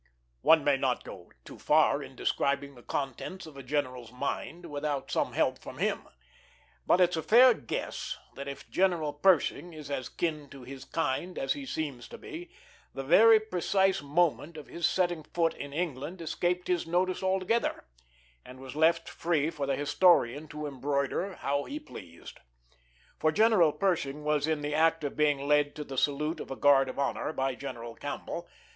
One may not go too far in describing the contents of a general's mind without some help from him, but it's a fair guess that if General Pershing is as kin to his kind as he seems to be, the very precise moment of this setting foot in England escaped his notice altogether, and was left free for the historian to embroider how he pleased. For General Pershing was in the act of being led to the salute of a guard of honor by General Campbell.